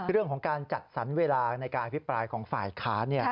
เรื่องของการจัดสรรเวลาในการอภิปรายของฝ่ายค้าน